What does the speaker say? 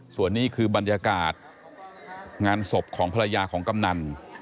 ส่วนนี้คือบรรยากาศงานศพของภรรยาของกำนัน